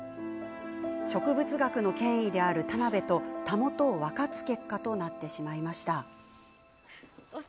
植物学の権威である田邊とたもとを分かつ結果となってしまいました。